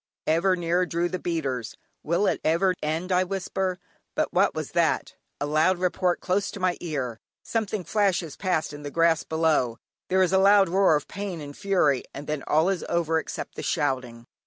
Ever nearer drew the beaters. "Will it never end?" I whisper. But what was that? A loud report close to my ear; something flashes past in the grass below, there is a loud roar of pain and fury, and then "all is over except the shouting."